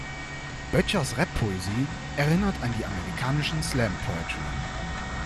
Böttchers Rap-Poesie erinnert an die amerikanische Slam-Poetry.